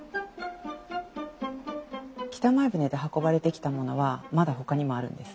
北前船で運ばれてきたものはまだほかにもあるんです。